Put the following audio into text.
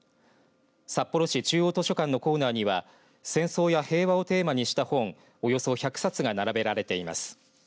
札幌市中央図書館のコーナーには戦争や平和をテーマにした本およそ１００冊が並べられています。